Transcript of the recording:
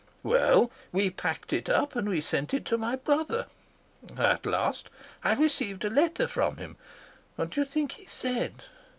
Well, we packed it up and we sent it to my brother. And at last I received a letter from him. What do you think he said?